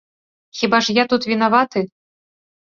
Хіба ж я тут вінаваты?